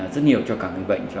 rất nhiều cho cả người bệnh